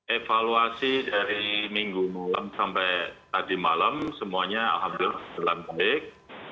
evaluasi dari minggu malam sampai tadi malam semuanya alhamdulillah baik